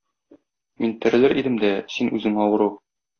Мин терелер идем дә, син үзең авыру.